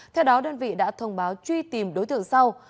theo đó đơn vị đã thông báo truy tìm đối tượng sau